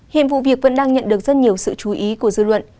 hiện vụ việc vẫn đang nhận được rất nhiều sự chú ý của dư luận